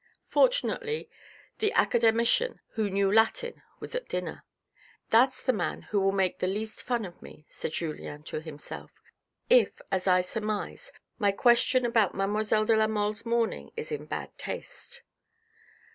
Fortunately the academician who knew Latin was at dinner. "That's the man who will make the least fun of me," said Julien to himself, " if, as I surmise, my question about mademoiselle de la Mole's mourning is in bad taste."